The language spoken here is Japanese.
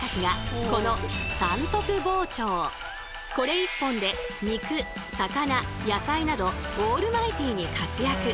これ１本で肉魚野菜などオールマイティーに活躍！